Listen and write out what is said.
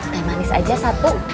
teh manis aja satu